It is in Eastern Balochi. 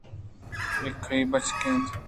اے کئی بچک اِنت؟